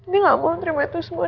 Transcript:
dia gak boleh terima itu semua